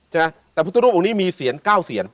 ใช่แต่พุทธรูปอุงนี้มีเศียร๙เสียร